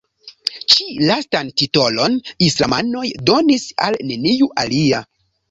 Ĉi-lastan titolon islamanoj donis al neniu alia.